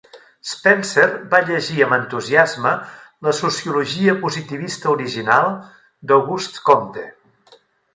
Spencer va llegir amb entusiasme la sociologia positivista original d'Auguste Comte.